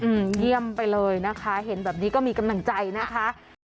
อืมเยี่ยมไปเลยนะคะเห็นแบบนี้ก็มีกำลังใจนะคะ